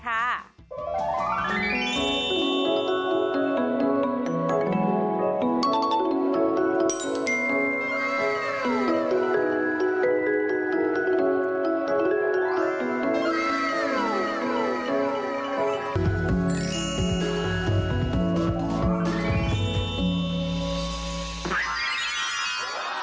พระแม่รักษณีย์เจนี่สบายโอ้โฮ